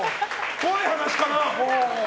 怖い話かな。